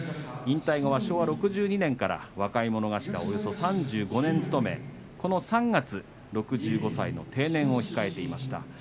引退後は昭和６２年から若者頭を３５年、務めこの３月、６５歳の定年を控えていました。